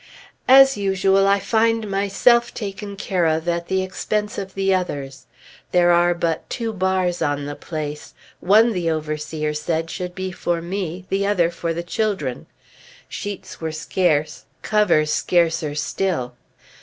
As usual I find myself taken care of at the expense of the others. There are but two bars on the place; one, the overseer said, should be for me, the other for the children. Sheets were scarce, covers scarcer still.